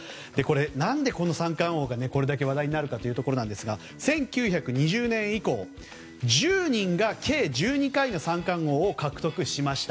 何で三冠王がこれだけ話題になるかなんですが１９２０年以降、１０人が計１２回の三冠王を獲得しました。